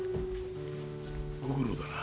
ご苦労だな。